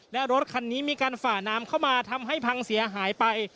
และรถคันนี้มีการฝ่าน้ำเข้ามาทำให้พังเสียหายไป